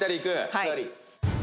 「はい」